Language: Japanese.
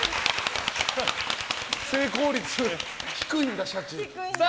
成功率低いんだ、シャチ。